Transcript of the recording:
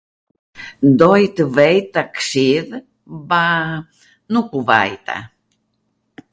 doj tw vej taksidh, baa nuku vajta